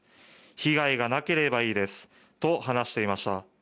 被害がなければいいですと話していました。